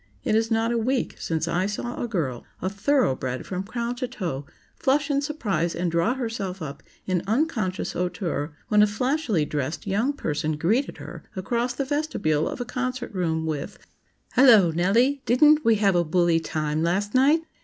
It is not a week since I saw a girl, a thoroughbred from crown to toe, flush in surprise and draw herself up in unconscious hauteur, when a flashily dressed young person greeted her across the vestibule of a concert room with "Hello, Nellie! didn't we have a bully time last night?"